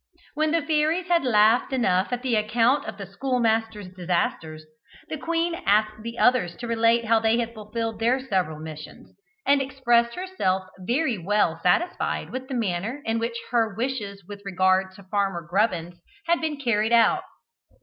When the fairies had laughed enough at the account of the schoolmaster's disasters, the queen asked the others to relate how they had fulfilled their several missions, and expressed herself very well satisfied with the manner in which her wishes with regard to Farmer Grubbins had been carried out.